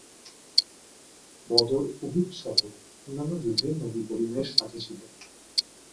বদর, উহুদসহ অন্যান্য যুদ্ধে নবী করীম এর সাথে ছিলেন।